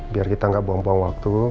biar kita nggak buang buang waktu